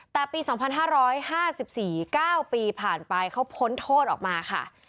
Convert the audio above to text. แต่ปี๒๕๕๔๙ปีผ่านไปเขาพ้นโทษออกมาค่ะ